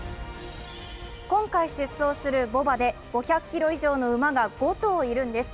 今回出走するぼ馬で５００ｋｇ以上の馬が５頭いるんです。